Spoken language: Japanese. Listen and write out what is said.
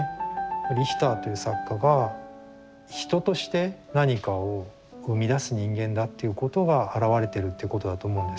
リヒターという作家が人として何かを生み出す人間だっていうことがあらわれてるっていうことだと思うんです。